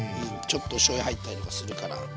ちょっとしょうゆ入ったりとかするから。